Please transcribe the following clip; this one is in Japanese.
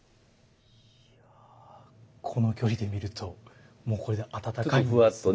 この距離で見るともうこれで温かいですね。